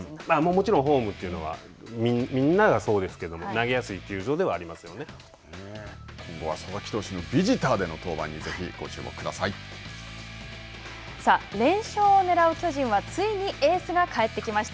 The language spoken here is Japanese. もちろんホームというのは、みんながそうですけども、投げやす今後は佐々木投手のビジターで連勝をねらう巨人はついに、エースが帰ってきました。